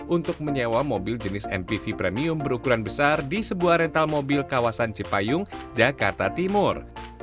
untuk menyewa mobil jenis mpv premium berukuran besar di sebuah rental mobil kawasan cipayung jakarta timur